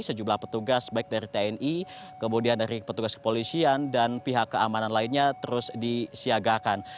sejumlah petugas baik dari tni kemudian dari petugas kepolisian dan pihak keamanan lainnya terus disiagakan